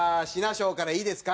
庄からいいですか？